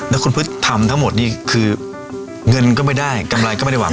แล้วคุณพฤษทำทั้งหมดนี่คือเงินก็ไม่ได้กำไรก็ไม่ได้หวัง